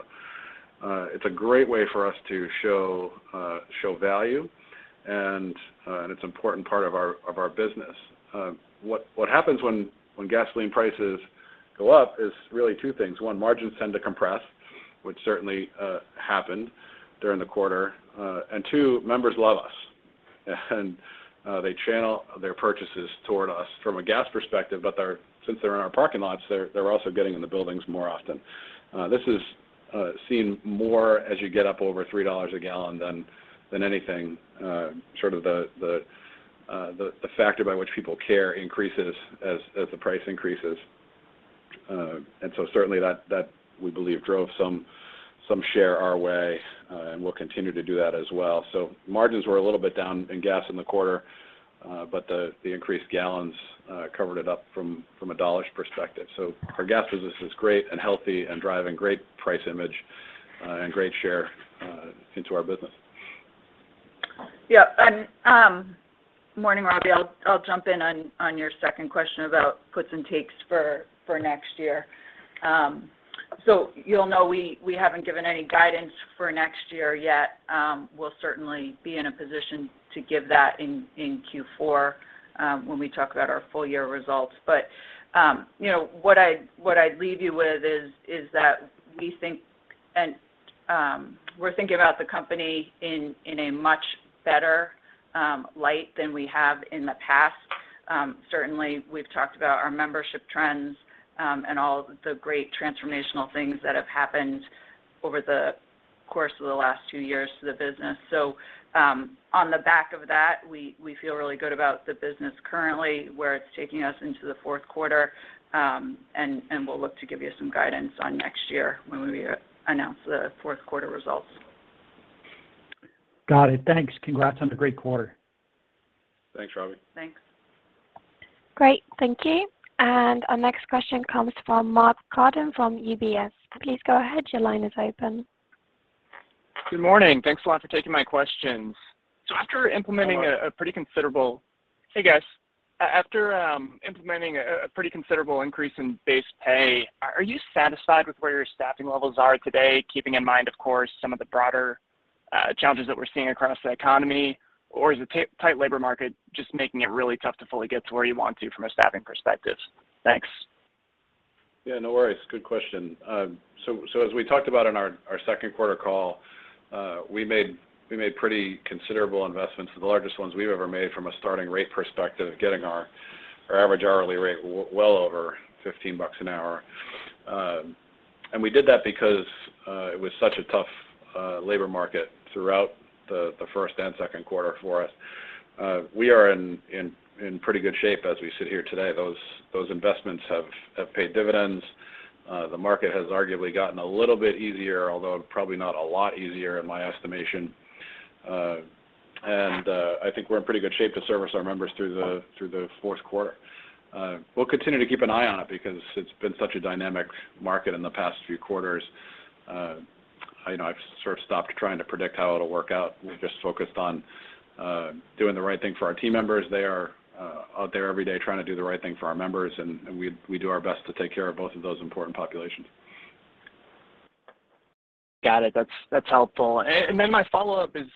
It's a great way for us to show value, and it's an important part of our business. What happens when gasoline prices go up is really two things. One, margins tend to compress, which certainly happened during the quarter. Two, members love us, and they channel their purchases toward us from a gas perspective, but since they're in our parking lots, they're also getting in the buildings more often. This is seen more as you get up over $3 a gallon than anything, sort of the factor by which people care increases as the price increases. Certainly that we believe drove some share our way and will continue to do that as well. Margins were a little bit down in gas in the quarter, but the increased gallons covered it up from a dollars perspective. Our gas business is great and healthy and driving great price image and great share into our business. Morning, Robbie. I'll jump in on your second question about puts and takes for next year. You'll know, we haven't given any guidance for next year yet. We'll certainly be in a position to give that in Q4 when we talk about our full year results. You know, what I'd leave you with is that we think, and we're thinking about the company in a much better light than we have in the past. Certainly we've talked about our membership trends, and all of the great transformational things that have happened over the course of the last two years to the business. On the back of that, we feel really good about the business currently, where it's taking us into the Q4, and we'll look to give you some guidance on next year when we announce the Q4 results. Got it. Thanks. Congrats on the great quarter. Thanks, Robbie. Thanks. Great. Thank you. Our next question comes from Mark Carden from UBS. Please go ahead. Your line is open. Good morning. Thanks a lot for taking my questions. Hello. After implementing a pretty considerable increase in base pay, are you satisfied with where your staffing levels are today, keeping in mind, of course, some of the broader challenges that we're seeing across the economy? Or is the tight labor market just making it really tough to fully get to where you want to from a staffing perspective? Thanks. Yeah, no worries. Good question. As we talked about on our Q2 call, we made pretty considerable investments, the largest ones we've ever made from a starting rate perspective, getting our average hourly rate well over $15 an hour. We did that because it was such a tough labor market throughout the Q1 and Q2 for us. We are in pretty good shape as we sit here today. Those investments have paid dividends. The market has arguably gotten a little bit easier, although probably not a lot easier in my estimation. I think we're in pretty good shape to service our members through the Q4. We'll continue to keep an eye on it because it's been such a dynamic market in the past few quarters. I know I've sort of stopped trying to predict how it'll work out and just focused on doing the right thing for our team members. They are out there every day trying to do the right thing for our members, and we do our best to take care of both of those important populations. Got it. That's helpful. And then my follow-up is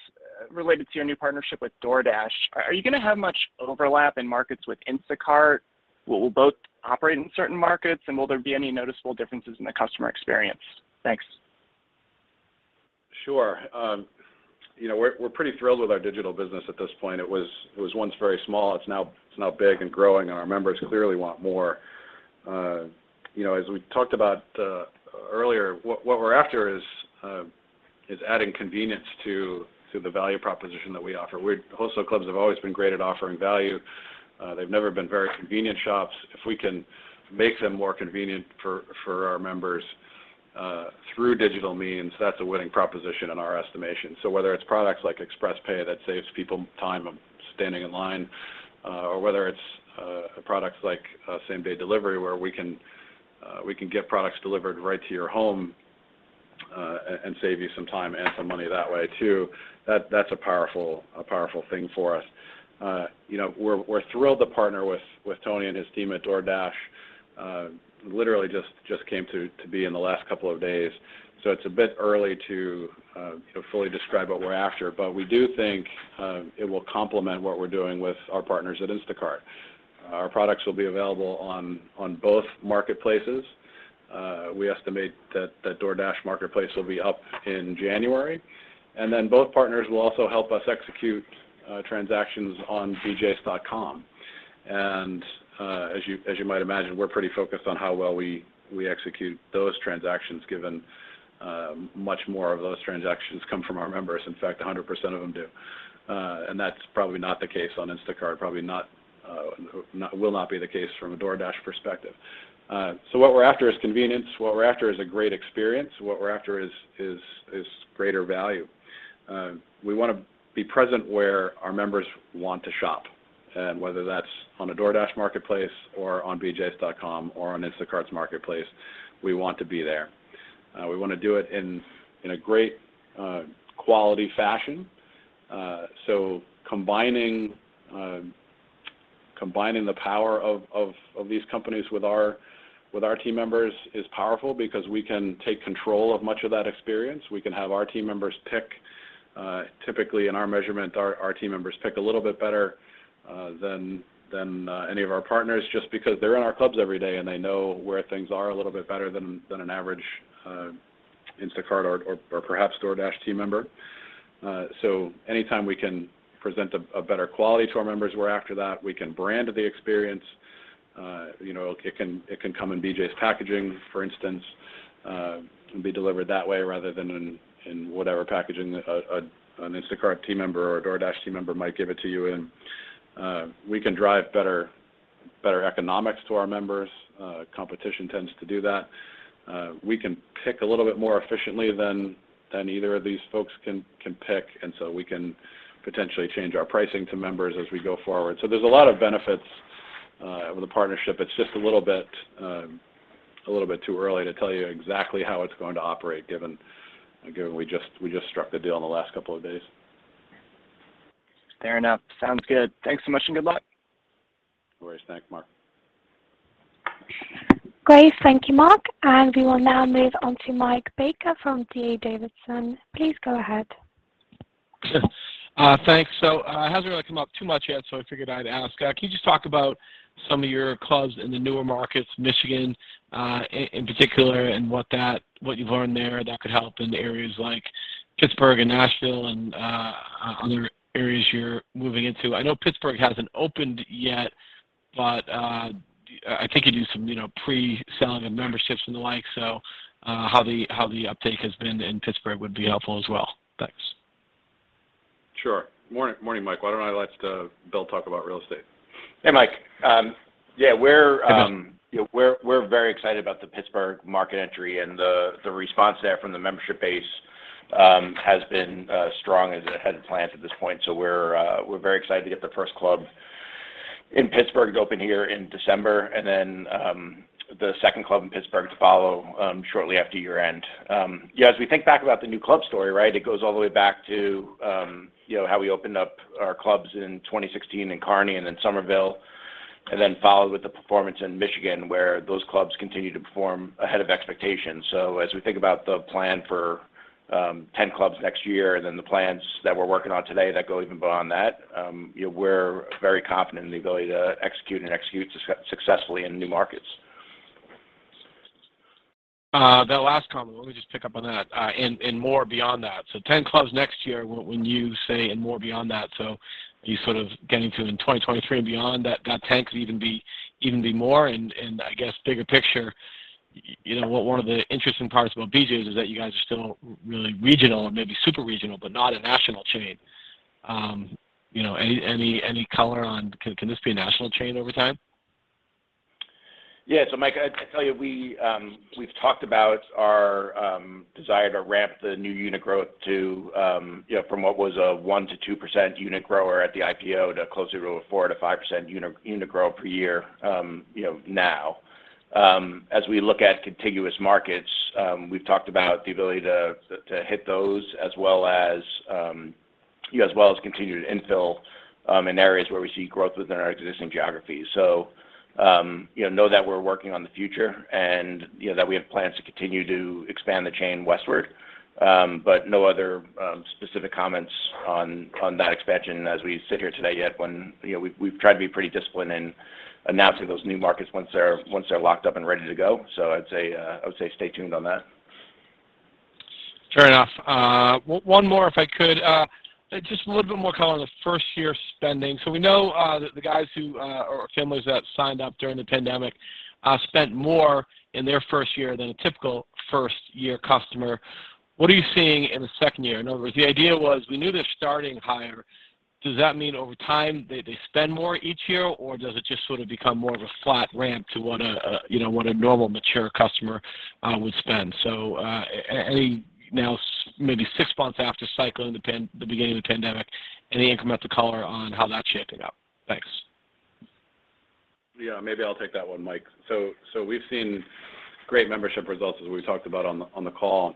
related to your new partnership with DoorDash. Are you gonna have much overlap in markets with Instacart? Will both operate in certain markets and will there be any noticeable differences in the customer experience? Thanks. Sure. You know, we're pretty thrilled with our digital business at this point. It was once very small, it's now big and growing, and our members clearly want more. You know, as we talked about earlier, what we're after is adding convenience to the value proposition that we offer. Wholesale clubs have always been great at offering value. They've never been very convenient shops. If we can make them more convenient for our members through digital means, that's a winning proposition in our estimation. Whether it's products like ExpressPay that saves people time of standing in line, or whether it's products like same-day delivery, where we can get products delivered right to your home, and save you some time and some money that way too, that's a powerful thing for us. You know, we're thrilled to partner with Tony and his team at DoorDash. Literally just came through to be in the last couple of days, so it's a bit early to you know, fully describe what we're after. We do think it will complement what we're doing with our partners at Instacart. Our products will be available on both marketplaces. We estimate that the DoorDash marketplace will be up in January. Both partners will also help us execute transactions on bjs.com. As you might imagine, we're pretty focused on how well we execute those transactions, given much more of those transactions come from our members. In fact, 100% of them do. That's probably not the case on Instacart. It will not be the case from a DoorDash perspective. What we're after is convenience. What we're after is a great experience. What we're after is greater value. We wanna be present where our members want to shop, and whether that's on a DoorDash marketplace or on bjs.com or on Instacart's marketplace, we want to be there. We wanna do it in a great quality fashion. Combining the power of these companies with our team members is powerful because we can take control of much of that experience. We can have our team members pick. Typically in our measurement, our team members pick a little bit better than any of our partners just because they're in our clubs every day, and they know where things are a little bit better than an average Instacart or perhaps DoorDash team member. Anytime we can present a better quality to our members, we're after that. We can brand the experience. You know, it can come in BJ's packaging, for instance, can be delivered that way rather than in whatever packaging an Instacart team member or a DoorDash team member might give it to you in. We can drive better economics to our members. Competition tends to do that. We can pick a little bit more efficiently than either of these folks can pick, and we can potentially change our pricing to members as we go forward. There's a lot of benefits with the partnership. It's just a little bit too early to tell you exactly how it's going to operate, given we just struck the deal in the last couple of days. Fair enough. Sounds good. Thanks so much and good luck. No worries. Thanks, Mark. Great. Thank you, Mark. We will now move on to Michael Baker from D.A. Davidson. Please go ahead. Thanks. It hasn't really come up too much yet, so I figured I'd ask. Can you just talk about some of your clubs in the newer markets, Michigan, in particular, and what you've learned there that could help in the areas like Pittsburgh and Nashville and other areas you're moving into? I know Pittsburgh hasn't opened yet, but I think you do some, you know, pre-selling of memberships and the like, so how the uptake has been in Pittsburgh would be helpful as well. Thanks. Sure. Morning, Mike. Why don't I let Bill talk about real estate? Hey, Mike. Yeah, we're Hey, Bill You know, we're very excited about the Pittsburgh market entry, and the response there from the membership base has been strong as it had planned to this point. We're very excited to get the first club in Pittsburgh to open here in December, and then the second club in Pittsburgh to follow shortly after year-end. Yeah, as we think back about the new club story, right? It goes all the way back to you know, how we opened up our clubs in 2016 in Kearny and then Somerville, and then followed with the performance in Michigan, where those clubs continue to perform ahead of expectations. As we think about the plan for 10 clubs next year and then the plans that we're working on today that go even beyond that, you know, we're very confident in the ability to execute successfully in new markets. That last comment, let me just pick up on that, and more beyond that. 10 clubs next year when you say and more beyond that, you sort of getting to in 2023 and beyond that 10 could even be more, and I guess bigger picture, you know, one of the interesting parts about BJ's is that you guys are still really regional or maybe super regional, but not a national chain. You know, any color on, can this be a national chain over time? Yeah. Mike, I'd tell you we've talked about our desire to ramp the new unit growth to you know, from what was a 1%-2% unit grower at the IPO to closer to a 4%-5% unit growth per year, you know, now. As we look at contiguous markets, we've talked about the ability to hit those as well as you know, as well as continue to infill in areas where we see growth within our existing geographies. You know that we're working on the future and that we have plans to continue to expand the chain westward. No other specific comments on that expansion as we sit here today yet when, you know, we've tried to be pretty disciplined in announcing those new markets once they're locked up and ready to go. I'd say I would say stay tuned on that. Fair enough. One more if I could. Just a little bit more color on the first year spending. So we know that the guys who or families that signed up during the pandemic spent more in their first year than a typical first year customer. What are you seeing in the second year? In other words, the idea was we knew they're starting higher. Does that mean over time they spend more each year, or does it just sort of become more of a flat ramp to what a you know what a normal mature customer would spend? So any now maybe six months after cycling the beginning of the pandemic, any incremental color on how that's shaping up? Thanks. Yeah, maybe I'll take that one, Mike. We've seen great membership results as we talked about on the call.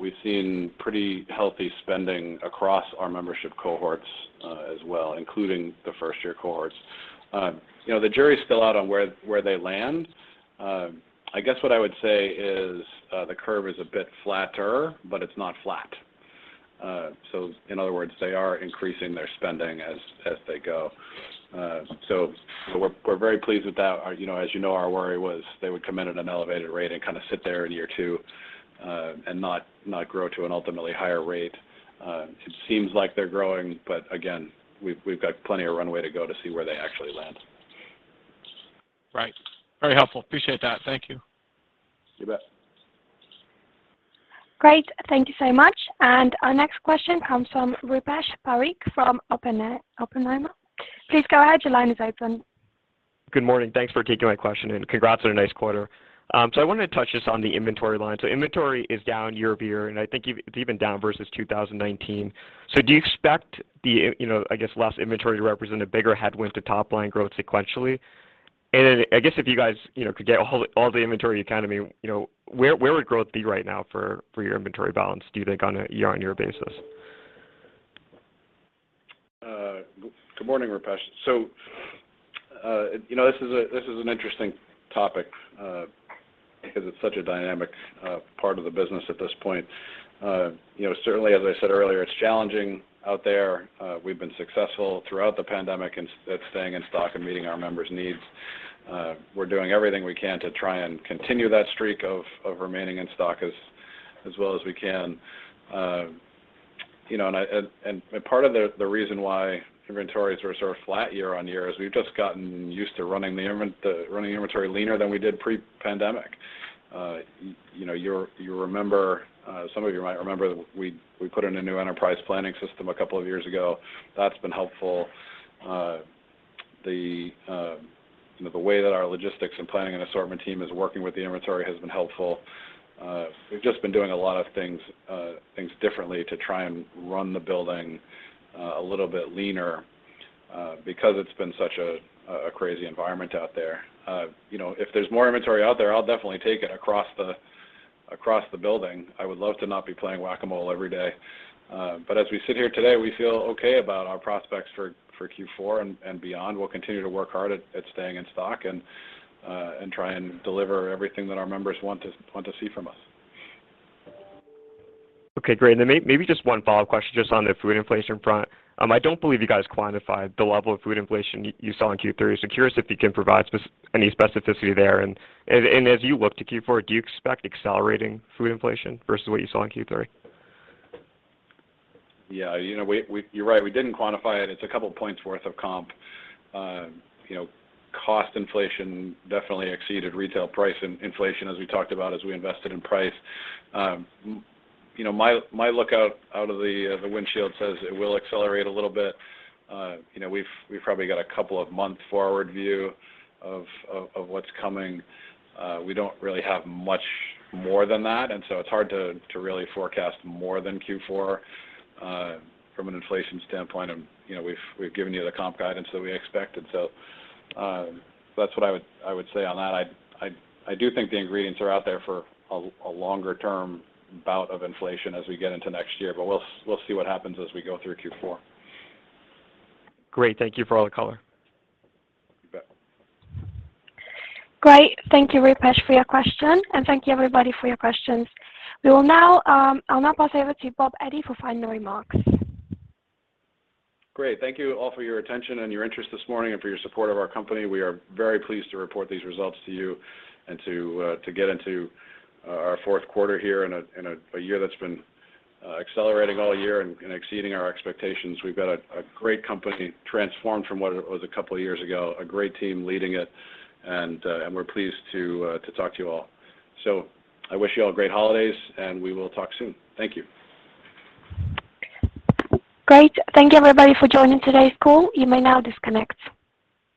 We've seen pretty healthy spending across our membership cohorts, as well, including the first year cohorts. You know, the jury's still out on where they land. I guess what I would say is, the curve is a bit flatter, but it's not flat. In other words, they are increasing their spending as they go. We're very pleased with that. You know, as you know, our worry was they would come in at an elevated rate and kinda sit there in year two, and not grow to an ultimately higher rate. It seems like they're growing, but again, we've got plenty of runway to go to see where they actually land. Right. Very helpful. Appreciate that. Thank you. You bet. Great. Thank you so much. Our next question comes from Rupesh Parikh from Oppenheimer. Please go ahead. Your line is open. Good morning. Thanks for taking my question and congrats on a nice quarter. I wanted to touch just on the inventory line. Inventory is down year over year, and I think it's even down versus 2019. Do you expect you know, I guess less inventory to represent a bigger headwind to top line growth sequentially? Then I guess if you guys, you know, could get a hold of all the inventory economy, you know, where would growth be right now for your inventory balance, do you think on a year-over-year basis? Good morning, Rupesh. You know, this is an interesting topic because it's such a dynamic part of the business at this point. You know, certainly as I said earlier, it's challenging out there. We've been successful throughout the pandemic in staying in stock and meeting our members' needs. We're doing everything we can to try and continue that streak of remaining in stock as well as we can. Part of the reason why inventories are sort of flat year-over-year is we've just gotten used to running inventory leaner than we did pre-pandemic. You remember, some of you might remember we put in a new enterprise planning system a couple of years ago. That's been helpful. You know, the way that our logistics and planning and assortment team is working with the inventory has been helpful. We've just been doing a lot of things differently to try and run the building a little bit leaner because it's been such a crazy environment out there. You know, if there's more inventory out there, I'll definitely take it across the building. I would love to not be playing Whac-A-Mole every day. As we sit here today, we feel okay about our prospects for Q4 and beyond. We'll continue to work hard at staying in stock and try and deliver everything that our members want to see from us. Okay, great. Maybe just one follow-up question just on the food inflation front. I don't believe you guys quantified the level of food inflation you saw in Q3. Curious if you can provide any specificity there. As you look to Q4, do you expect accelerating food inflation versus what you saw in Q3? Yeah, you know, you're right, we didn't quantify it. It's a couple points worth of comp. You know, cost inflation definitely exceeded retail price inflation as we talked about as we invested in price. You know, my look out of the windshield says it will accelerate a little bit. You know, we've probably got a couple of month forward view of what's coming. We don't really have much more than that, and so it's hard to really forecast more than Q4 from an inflation standpoint. You know, we've given you the comp guidance that we expected. That's what I would say on that. I do think the ingredients are out there for a longer term bout of inflation as we get into next year, but we'll see what happens as we go through Q4. Great. Thank you for all the color. You bet. Great. Thank you, Rupesh, for your question. Thank you everybody for your questions. We will now, I'll now pass over to Bob Eddy for final remarks. Great. Thank you all for your attention and your interest this morning and for your support of our company. We are very pleased to report these results to you and to get into our Q4 here in a year that's been accelerating all year and exceeding our expectations. We've got a great company transformed from what it was a couple of years ago, a great team leading it, and we're pleased to talk to you all. I wish you all great holidays, and we will talk soon. Thank you. Great. Thank you everybody for joining today's call. You may now disconnect.